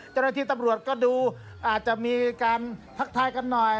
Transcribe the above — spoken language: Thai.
จริงที่ตำรวจก็ดูอาจจะมีการพักท้ายกันหน่อย